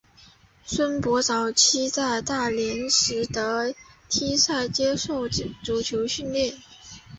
孙铂早期在大连实德梯队接受足球训练。